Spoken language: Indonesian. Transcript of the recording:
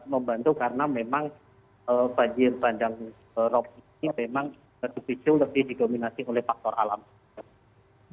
membantu karena memang banjirop ini lebih didominasi oleh faktor alam